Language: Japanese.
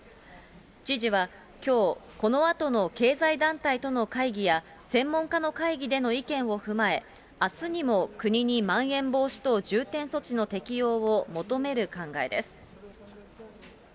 知事はきょう、このあとの経済団体との会議や、専門家の会議での意見を踏まえ、あすにも国にまん延防止等重点措置の適用を求める考えです。